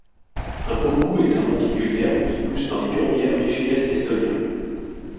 Un poku est un monticule d'herbe qui pousse dans les tourbières du sud-est estonien.